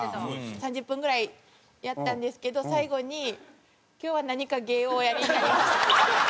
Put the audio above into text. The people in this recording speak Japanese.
３０分ぐらいやったんですけど最後に「今日は何か芸をおやりになりました？」。